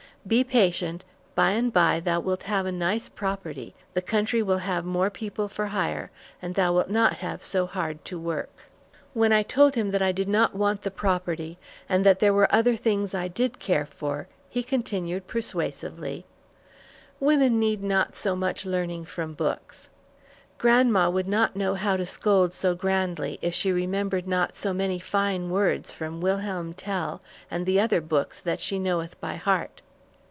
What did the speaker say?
Be patient, by and by thou wilt have a nice property, the country will have more people for hire, and thou wilt not have so hard to work." When I told him that I did not want the property, and that there were other things I did care for, he continued persuasively: "Women need not so much learning from books. Grandma would not know how to scold so grandly if she remembered not so many fine words from 'Wilhelm Tell' and the other books that she knoweth by heart."